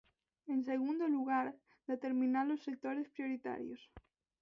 En segundo lugar, determinar os sectores prioritarios.